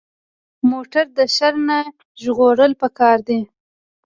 موټر د شر نه ژغورل پکار دي.